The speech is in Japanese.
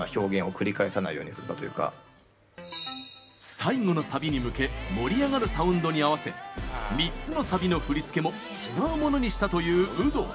最後のサビに向け盛り上がるサウンドに合わせ３つのサビの振付も違うものにしたという有働。